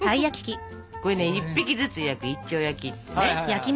これね１匹ずつ焼く「一丁焼き」ってね。